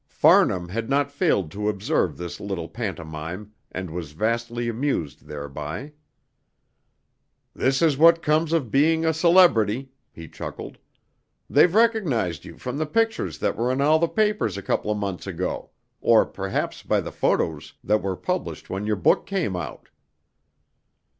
Farnham had not failed to observe this little pantomime, and was vastly amused thereby. "This is what comes of being a celebrity!" he chuckled. "They've recognised you from the pictures that were in all the papers a couple of months ago, or perhaps by the photos that were published when your book came out."